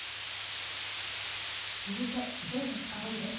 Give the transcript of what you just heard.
続いて、Ｊのフカボリです。